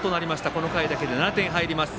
この回だけで７点、入ります。